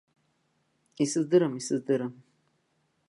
Исыздырам, исыздырам.